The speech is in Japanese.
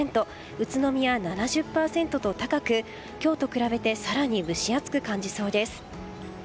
宇都宮は７０％と高く今日と比べて更に蒸し暑く感じそうです。